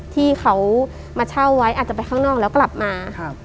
ที่เขามาเช่าไว้อาจจะไปข้างนอกแล้วกลับมาครับ